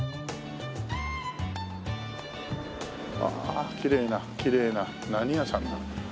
ああきれいなきれいな何屋さんだろう？